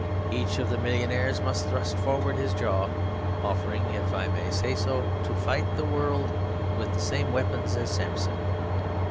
Each of the millionaires must thrust forward his jaw, offering (if I may say so) to fight the world with the same weapon as Samson.